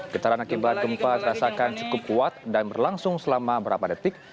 getaran akibat gempa dirasakan cukup kuat dan berlangsung selama berapa detik